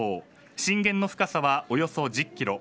震源の深さはおよそ１０キロ。